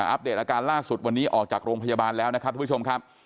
อัปเดตอาการล่าสุดวันนี้ออกจากโรงพยาบาลแล้วนะครับทุกผู้ชมครับ